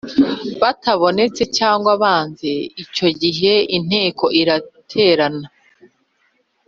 batabonetse cyangwa banze icyo gihe inteko iraterana